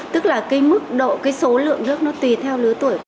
tức là cái mức độ cái số lượng nước nó tùy theo lứa tuổi